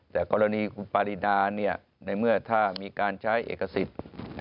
แต่กรณีคุณปารีนาในเมื่อถ้ามีการใช้เอกสิทธิ์